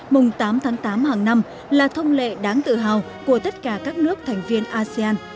mùng tám tháng tám hàng năm là thông lệ đáng tự hào của tất cả các nước thành viên asean